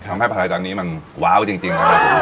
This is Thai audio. ทำให้ผัดไทยทานนี้มันว้าวจริงนะครับผม